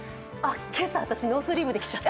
今朝、私ノースリーブで来ちゃった。